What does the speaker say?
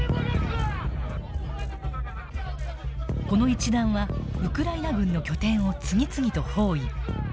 この一団はウクライナ軍の拠点を次々と包囲。